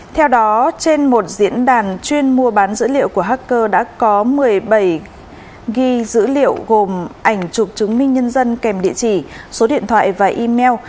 theo đó trên một diễn đàn chuyên mua bán dữ liệu của hacker đã có một mươi bảy ghi dữ liệu gồm ảnh chụp chứng minh nhân dân kèm địa chỉ số điện thoại và email